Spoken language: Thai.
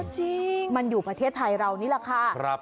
จริงมันอยู่ประเทศไทยเรานี่แหละค่ะ